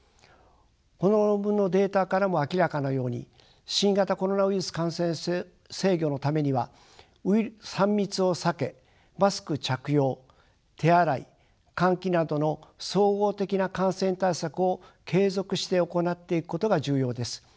この論文のデータからも明らかのように新型コロナウイルス感染症制御のためには３密を避けマスク着用手洗い換気などの総合的な感染対策を継続して行っていくことが重要です。